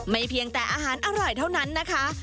เพียงแต่อาหารอร่อยเท่านั้นนะคะ